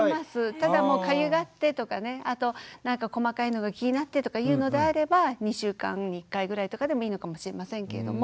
ただかゆがってとか細かいのが気になってとかいうのであれば２週間に１回ぐらいとかでもいいのかもしれませんけれども。